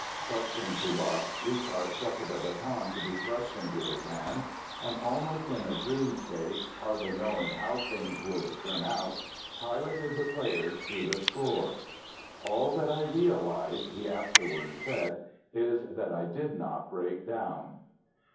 Trusting to luck Richard suffered a baton to be thrust into his hands, and almost in a dream state, hardly knowing how things would turn out, piloted the players through the score. "All that I realize," he afterwards said, "is that I did not break down!"